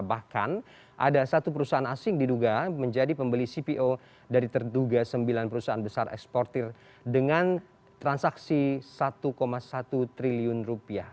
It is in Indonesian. bahkan ada satu perusahaan asing diduga menjadi pembeli cpo dari terduga sembilan perusahaan besar eksportir dengan transaksi satu satu triliun rupiah